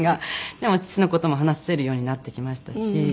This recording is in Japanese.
でも父の事も話せるようになってきましたし。